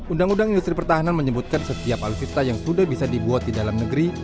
undang undang industri pertahanan menyebutkan setiap alutsista yang sudah bisa dibuat di dalam negeri